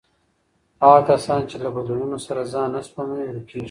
هغه کسان چې له بدلونونو سره ځان نه سموي، ورکېږي.